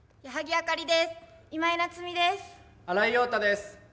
新井庸太です。